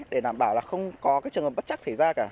để đảm bảo là không có trường hợp bất chắc xảy ra cả